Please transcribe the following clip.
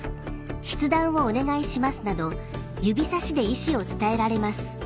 「筆談をお願いします」など指さしで意思を伝えられます。